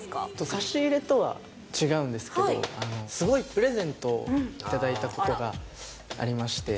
差し入れとは違うんですけど、すごいプレゼントを頂いたことがありまして。